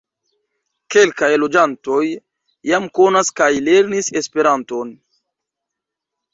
Kelkaj loĝantoj jam konas kaj lernis Esperanton.